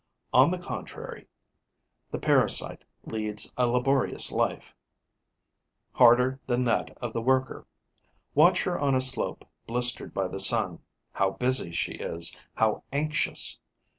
On the contrary, the parasite leads a laborious life, harder than that of the worker. Watch her on a slope blistered by the sun. How busy she is, how anxious!